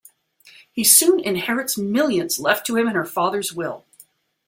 He soon inherits millions left to him in her father's will.